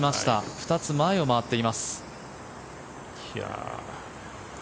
２つ前を回っています。